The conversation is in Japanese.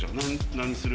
何にする？